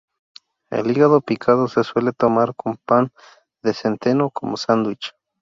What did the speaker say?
El hígado picado se suele tomar con pan de centeno como sándwich.